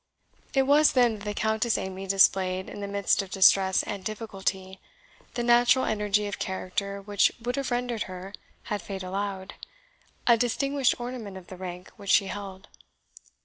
It was then that the Countess Amy displayed, in the midst of distress and difficulty, the natural energy of character which would have rendered her, had fate allowed, a distinguished ornament of the rank which she held.